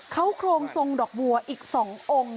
เขาโครงทรงดอกบัวอีก๒องค์